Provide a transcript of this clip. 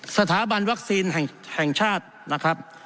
สถาบันวัคซีนแห่งชาตินะครับ